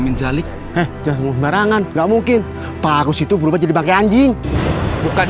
minjalik eh jangan berbual nggak mungkin pak agus itu berubah jadi bangke anjing bukan